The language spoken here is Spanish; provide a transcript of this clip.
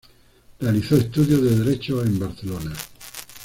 Realizó estudios de Derecho en Barcelona.